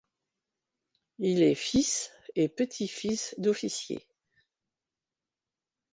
Il est fils et petit-fils d'officiers.